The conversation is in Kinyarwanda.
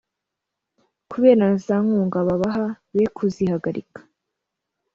kubera na za nkunga babaha be kuzihagarika